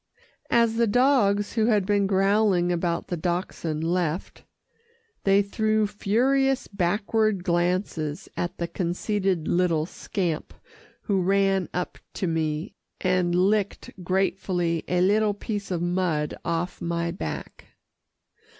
As the dogs who had been growling about the Dachshund left, they threw furious backward glances at the conceited little scamp who ran up to me, and licked gratefully a little piece of mud off my back.